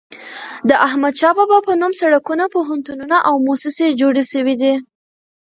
د احمد شاه بابا په نوم سړکونه، پوهنتونونه او موسسې جوړي سوي دي.